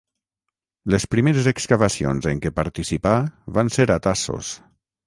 Les primeres excavacions en què participà van ser a Tassos.